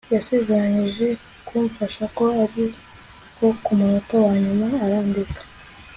yasezeranije kumfasha, ariko ku munota wa nyuma arandeka